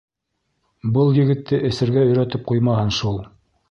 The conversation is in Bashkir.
Был егетте эсергә өйрәтеп ҡуймаһын шул!